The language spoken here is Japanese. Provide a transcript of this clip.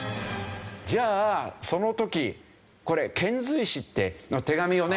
じゃあその時これ遣隋使って手紙をね